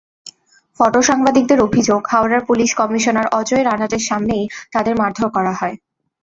ফটোসাংবাদিকদের অভিযোগ, হাওড়ার police commissioner Ajay রানাডের সামনেই তাঁদের মারধর করা হয়।